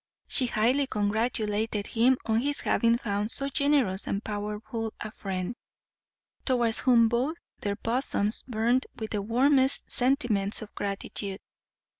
She highly congratulated him on his having found so generous and powerful a friend, towards whom both their bosoms burnt with the warmest sentiments of gratitude.